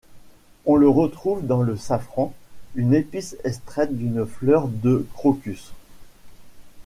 On le retrouve dans le safran, une épice extraite d'une fleur de crocus.